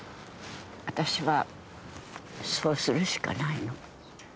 私はそうするしかないの。